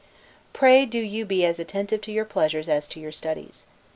Pray do you be as attentive to your pleasures as to your studies.